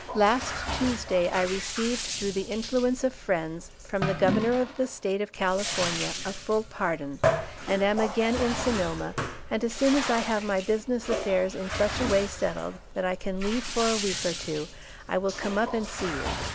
Last Tuesday I received, through the influence of friends, from the Governor of the State of California, a full pardon, and am again in Sonoma; and as soon as I have my business affairs in such a way settled that I can leave for a week or two, I will come up and see you.